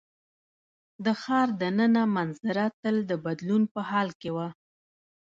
د ښار د ننه منظره تل د بدلون په حال کې وه.